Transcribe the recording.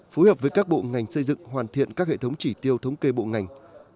phối hợp với các bộ ngành xây dựng hoàn thiện các hệ thống chỉ tiêu thống kê bộ ngành